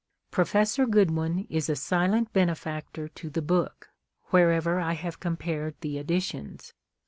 Professor Goodwin is a silent benefactor to the book, wherever I have compared the editions.